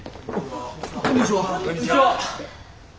こんにちは。